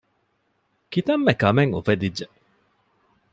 ކިތަންމެ ކަމެއް އުފެދިއްޖެ